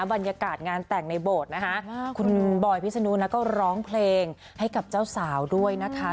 บรรยากาศงานแต่งในโบสถ์นะคะคุณบอยพิศนุแล้วก็ร้องเพลงให้กับเจ้าสาวด้วยนะคะ